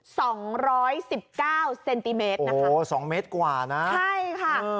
สองร้อยสิบเก้าเซนติเมตรนะคะโอ้สองเมตรกว่านะใช่ค่ะเออ